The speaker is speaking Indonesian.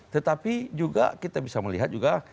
tetapi juga kita bisa melihat juga